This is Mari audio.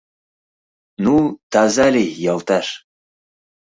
Ну, таза лий, йолташ!..